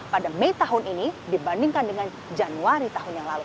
pada mei tahun ini dibandingkan dengan januari tahun yang lalu